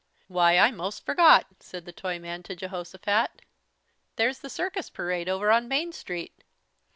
"Why, I most forgot," said the Toyman to Jehosophat. "There's the circus parade over on Main Street.